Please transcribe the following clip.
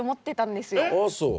あっそう。